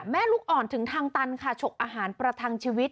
ลูกอ่อนถึงทางตันค่ะฉกอาหารประทังชีวิต